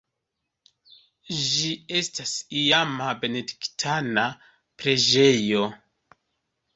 Ĝi estas iama benediktana preĝejo.